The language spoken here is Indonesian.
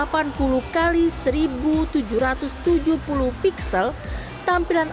tampilan air terjunnya akan menjadi lebih terang